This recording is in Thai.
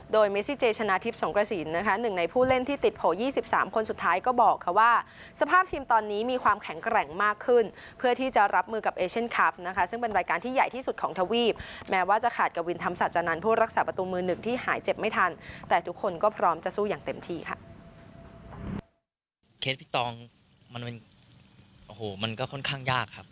โดยเมซิเจชนะทิพย์สงกระสินนะคะหนึ่งในผู้เล่นที่ติดโผล่๒๓คนสุดท้ายก็บอกค่ะว่าสภาพทีมตอนนี้มีความแข็งแกร่งมากขึ้นเพื่อที่จะรับมือกับเอเชียนคลับนะคะซึ่งเป็นรายการที่ใหญ่ที่สุดของทวีปแม้ว่าจะขาดกับวินธรรมศาจานันทร์ผู้รักษาประตูมือหนึ่งที่หายเจ็บไม่ทันแต่ทุกคนก็พร้อมจะสู้อย่างเต็มที่ค่ะ